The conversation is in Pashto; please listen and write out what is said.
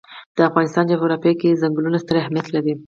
د افغانستان جغرافیه کې چنګلونه ستر اهمیت لري.